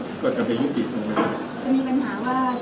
จะมีปัญหาว่าจากปัญหาเรื่องการแย่งโค้ตต้านรัฐมนตรีระหว่างภักดิ์